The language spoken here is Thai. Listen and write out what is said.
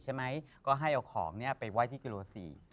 ให้เอาของไปว่ายที่กิโลสี่